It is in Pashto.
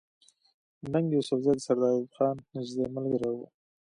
ننګ يوسفزۍ د سردار داود خان نزدې ملګری وو